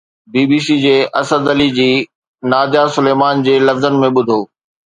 بي B C جي اسد علي جي ناديه سليمان جي لفظن ۾ ٻڌو